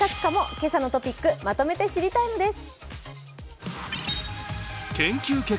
「けさのトピックまとめて知りＴＩＭＥ，」です。